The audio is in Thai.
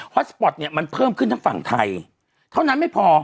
อสปอร์ตเนี่ยมันเพิ่มขึ้นทั้งฝั่งไทยเท่านั้นไม่พอ